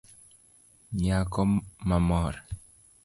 Nyako mamor